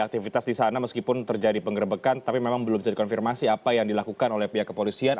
aktivitas di sana meskipun terjadi penggerbekan tapi memang belum bisa dikonfirmasi apa yang dilakukan oleh pihak kepolisian